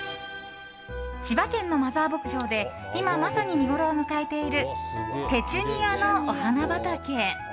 千葉県のマザー牧場で今まさに見ごろを迎えているペチュニアのお花畑。